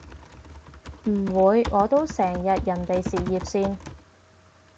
唔會，我都成日人哋事業線